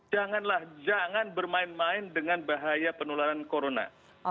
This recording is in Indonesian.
janganlah jangan bermain main dengan bahaya penularan corona